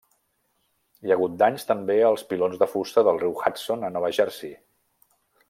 Hi ha hagut danys també als pilons de fusta del Riu Hudson a Nova Jersey.